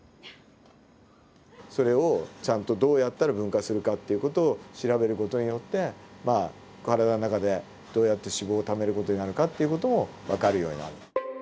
それをちゃんとどうやったら分解するかっていう事を調べる事によってまあ体の中でどうやって脂肪をためる事になるかっていう事もわかるようになる。